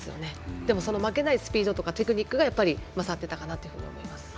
でも負けないスピードとかテクニックが勝っていたと思います。